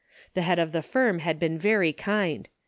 The head of the firm had been very kind.